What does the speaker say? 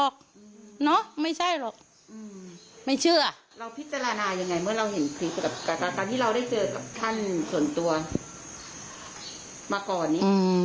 ทำไมก็ไม่เชื่อล้านเปอร์เซ็นต์ไม่เชื่อ